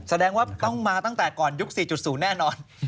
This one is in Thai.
แสดงว่าต้องมาตั้งแต่ก่อนยุค๔๐แน่นอน